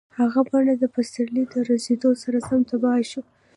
هغه بڼ د پسرلي د رسېدو سره سم تباه شو.